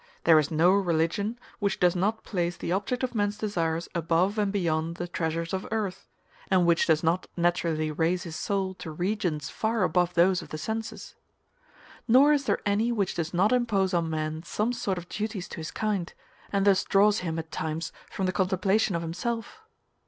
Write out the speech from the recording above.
There is no religion which does not place the object of man's desires above and beyond the treasures of earth, and which does not naturally raise his soul to regions far above those of the senses. Nor is there any which does not impose on man some sort of duties to his kind, and thus draws him at times from the contemplation of himself.